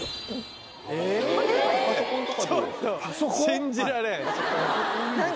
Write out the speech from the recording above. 信じられん。